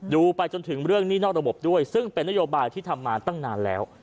ไปจนถึงเรื่องหนี้นอกระบบด้วยซึ่งเป็นนโยบายที่ทำมาตั้งนานแล้ว